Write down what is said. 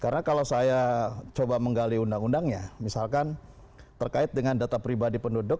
karena kalau saya coba menggali undang undangnya misalkan terkait dengan data pribadi penduduk